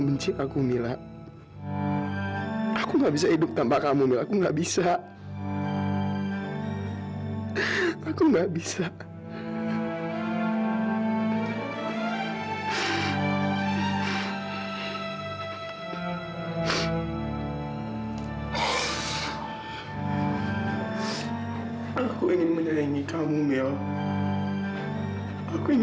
biar aku izin sama suster dulu